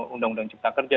undang undang cipta kerja